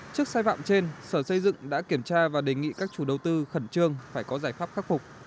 trước sai phạm trên sở xây dựng đã kiểm tra và đề nghị các chủ đầu tư khẩn trương phải có giải pháp khắc phục